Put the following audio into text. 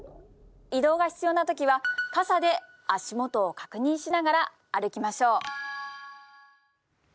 移動が必要な時は傘で足元を確認しながら歩きましょう。